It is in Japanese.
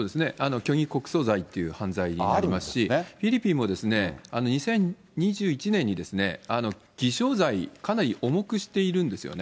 虚偽告訴罪という犯罪になりますし、フィリピンも２０２１年に偽証罪、かなり重くしているんですよね。